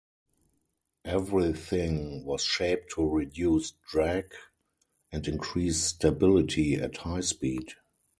Everything was shaped to reduce drag and increase stability at high speed.